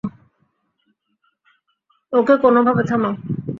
ওকে কোনোভাবে থামাও।